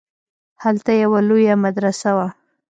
هلته يوه لويه مدرسه وه.